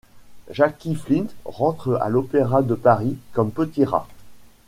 Jacky Flynt rentre à l'Opéra de Paris comme petit rat.